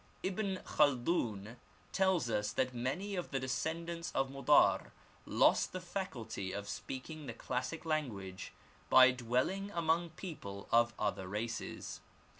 Ibn Khaldun tells us that many of the descendants of Modar lost the faculty of speaking the classic language by dwelling among people of other races.